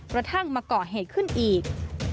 กระทั่งมาก่อเหตุขึ้นอีก